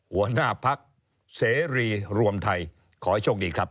หัวหน้าพักเสรีรวมไทยขอให้โชคดีครับ